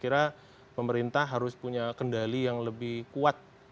saya kira pemerintah harus punya kendali yang lebih kuat